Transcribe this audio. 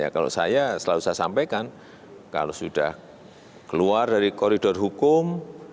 kalau saya selalu saya sampaikan kalau sudah keluar dari koridor hukum